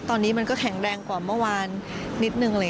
ตอนนี้มันก็แข็งแรงกว่าเมื่อวานนิดนึง